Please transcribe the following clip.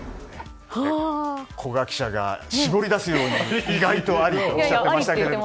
古賀記者が絞り出すように意外とありっておっしゃってましたけど。